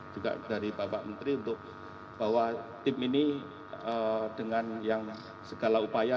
juga dari bapak menteri untuk bawa tim ini dengan yang segala upaya